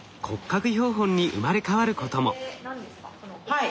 はい。